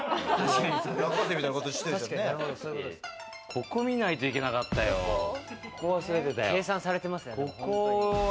ここ、見ないといけなかった計算されてますね。